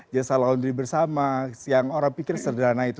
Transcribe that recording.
jasa laundry bersama yang orang pikir sederhana itu